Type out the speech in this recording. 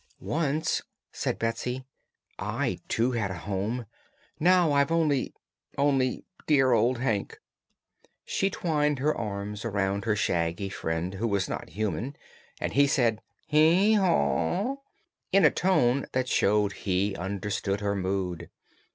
"Once," said Betsy, "I, too, had a home. Now, I've only only dear old Hank!" She twined her arms around her shaggy friend who was not human, and he said: "Hee haw!" in a tone that showed he understood her mood.